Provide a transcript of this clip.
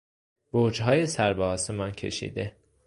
برجهای سر به آسمان کشیده